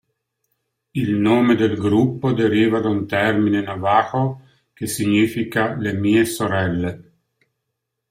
Il nome del gruppo deriva da un termine Navajo che significa "le mie sorelle".